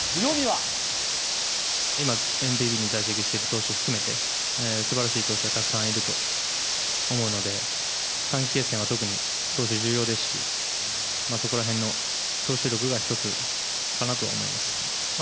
今、ＮＰＢに在籍している投手含めて、すばらしいとうしゅがたくさんいるとおもうので短期決戦は特に投手、重要ですし、そこらへんの投手力が一つかなと思います。